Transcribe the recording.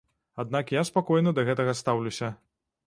Аднак я спакойна да гэтага стаўлюся.